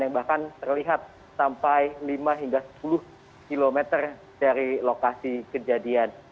yang bahkan terlihat sampai lima hingga sepuluh km dari lokasi kejadian